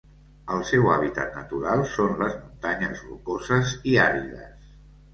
El seu hàbitat natural són les muntanyes rocoses i àrides.